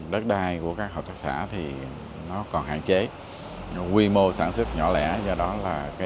do đó là tiếng nói của các hợp tác xã còn hạn chế quy mô sản xuất nhỏ lẻ do đó là tiếng nói của các hợp tác xã còn hạn chế